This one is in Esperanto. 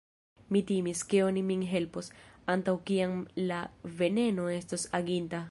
Mi timis, ke oni min helpos, antaŭ kiam la veneno estos aginta.